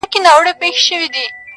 د کرنې ځمکه سره جوړه ده.